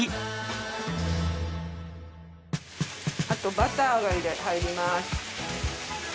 あとバターが入ります。